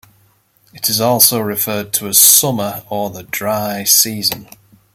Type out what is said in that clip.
It is also referred to as Summer or the Dry Season.